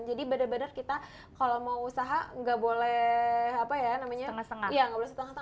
jadi benar benar kita kalau mau usaha nggak boleh setengah setengah